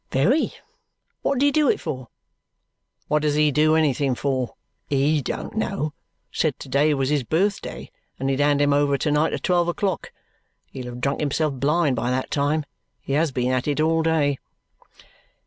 "Very. What did he do it for?" "What does he do anything for? HE don't know. Said to day was his birthday and he'd hand 'em over to night at twelve o'clock. He'll have drunk himself blind by that time. He has been at it all day."